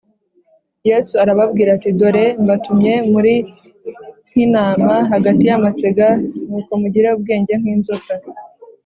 yesu arababwira ati, “dore mbatumye muri nk’intama hagati y’amasega, nuko mugire ubwenge nk’inzoka